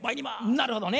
なるほどね。